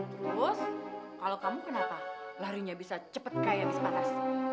terus kalau kamu kenapa larinya bisa cepet kayak bis patas